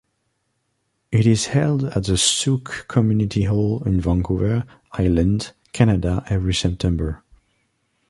It is held at the Sooke Community Hall on Vancouver Island, Canada, every September.